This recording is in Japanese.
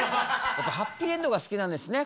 やっぱハッピーエンドが好きなんですね